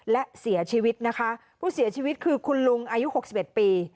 และเสียชีวิตนะคะผู้เสียชีวิตคือคุณลุงอายุหกสิบเอ็ดปี